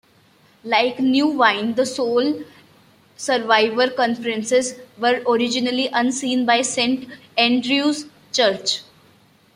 Like New Wine, the Soul Survivor conferences were originally overseen by Saint Andrew's Church.